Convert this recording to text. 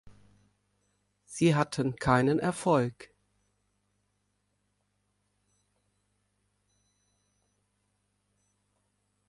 Sie hatten keinen Erfolg.